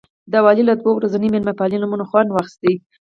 د والي له دوه ورځنۍ مېلمه پالنې مو خوند واخیست.